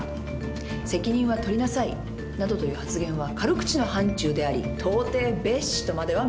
「責任は取りなさい」などという発言は軽口の範ちゅうであり到底べっ視とまでは認められない。